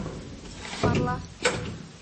Марла.